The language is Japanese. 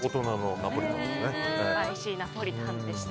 スパイシーナポリタンでした。